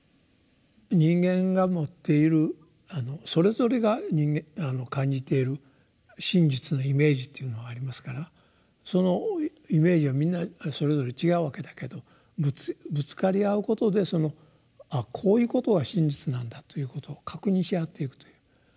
人間が持っているそれぞれが感じている真実のイメージっていうのはありますからそのイメージはみんなそれぞれ違うわけだけどぶつかり合うことで「ああこういうことが真実なんだ」ということを確認し合っていくという。